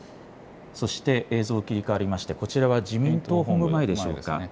そして映像、切り替わりましてこちらは自民党本部前でしょうか。